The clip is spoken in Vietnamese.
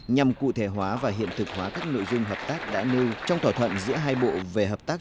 nhằm cụ thể hóa và hiện thực hóa các nội dung hợp tác đã nêu trong thỏa thuận giữa hai bộ về hợp tác